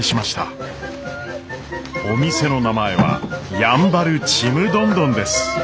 お店の名前は「やんばるちむどんどん」です。